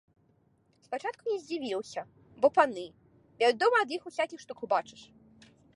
Спачатку не дзівіўся, бо паны, вядома, ад іх усякіх штук убачыш.